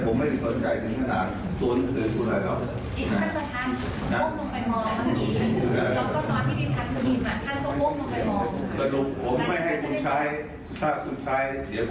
ผมไม่ได้มีเวลามาสนใจคุณหรอก